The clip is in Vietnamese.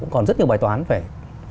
còn rất nhiều bài toán phải